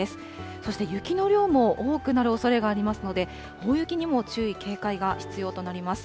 そして雪の量も多くなるおそれがありますので、大雪にも注意警戒が必要となります。